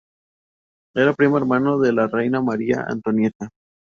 Era primo hermano de la reina María Antonieta.